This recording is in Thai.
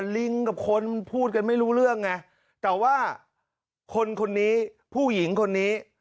ลิงกับคนพูดกันไม่รู้เรื่องไงแต่ว่าคนคนนี้ผู้หญิงคนนี้